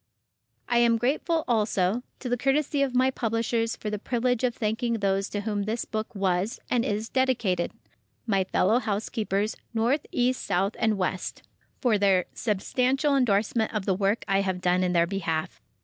I am grateful, also, to the courtesy of my publishers for the privilege of thanking those to whom this book was, and is dedicated, "My fellow housekeepers—North, East, South and West"—for their substantial endorsement of the work I have done in their behalf.